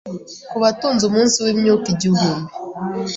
Kubatunze Umunsi wimyuka igihumbi